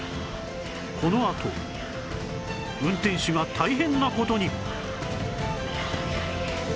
このあと運転手が大変な事に！